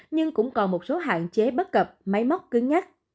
nhưng cũng còn một số hạn chế bất cập máy móc cứng nhắc